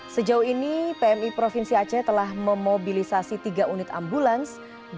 sejauh ini pmi provinsi aceh telah memobilisasi tiga unit ambulans